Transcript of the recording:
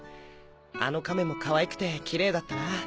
あの亀もかわいくてキレイだったな。